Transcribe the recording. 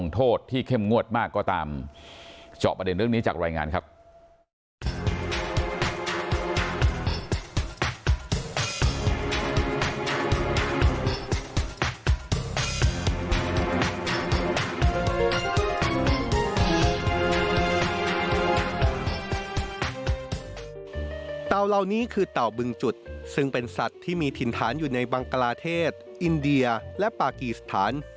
เต่าเหล่านี้คือเต่าบึงจุดซึ่งเป็นสัตว์ที่มีถิ่นฐานอยู่ในบังกลาเทศอินเดียและปากีสถาน